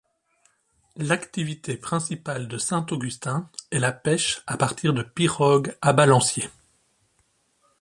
L'activité principale de Saint-Augustin est la pêche à partir de pirogues à balanciers.